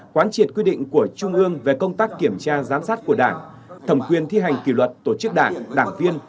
quán triệt quy định của trung ương về công tác kiểm tra giám sát của đảng thẩm quyền thi hành kỷ luật tổ chức đảng đảng viên